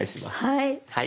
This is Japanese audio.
はい。